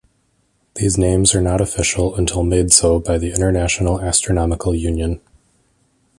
These names are not official until made so by the International Astronomical Union.